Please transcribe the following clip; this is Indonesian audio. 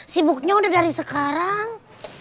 sibuknya udah dari sekarang